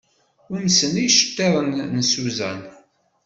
Umsen yiceṭṭiḍen n Susan.